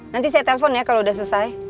nanti saya telepon ya kalo udah selesai